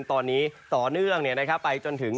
ตอนนี้ต่อเนื่องเนี่ยนะครับไปจนถึง